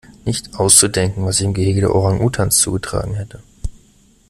Nicht auszudenken, was sich im Gehege der Orang-Utans zugetragen hätte!